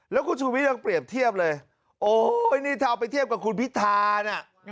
แล้วคุณชูวิทย์ยังเปรียบเทียบเลยโอ้ยนี่ถ้าเอาไปเทียบกับคุณพิธาน่ะ